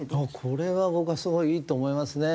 これは僕はすごいいいと思いますね。